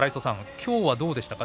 きょうはどうでしたか？